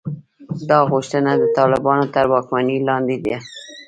دا غوښتنه د طالبانو تر واکمنۍ لاندې ده.